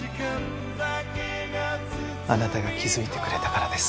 あなたが気づいてくれたからです。